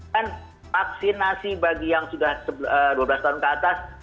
dan vaksinasi bagi yang sudah dua belas tahun ke atas